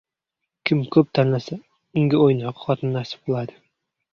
• Kim ko‘p tanlasa, unga o‘ynoqi xotin nasib qiladi.